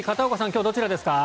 今日はどちらですか？